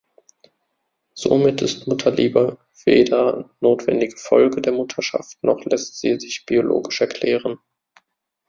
Somit ist Mutterliebe weder notwendige Folge der Mutterschaft noch lässt sie sich biologisch erklären.